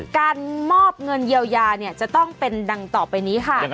การมอบเงินเยียวยาจะต้องเป็นดังต่อไปนี้ค่ะ